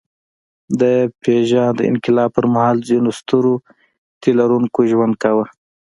د پېژاند انقلاب پر مهال ځینو سترو تيلرونکي ژوند کاوه.